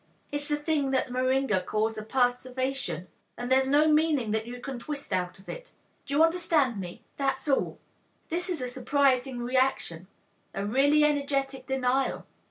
It's the thing that Meringer calls a perservation, and there's no other meaning that you can twist out of it. Do you understand me? That's all." H'm, this is a surprising reaction, a really energetic denial.